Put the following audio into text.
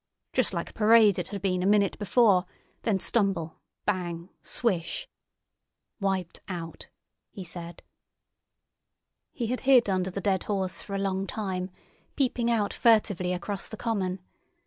Just like parade it had been a minute before—then stumble, bang, swish!" "Wiped out!" he said. He had hid under the dead horse for a long time, peeping out furtively across the common.